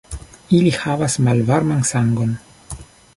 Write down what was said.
Ili havas malvarman sangon.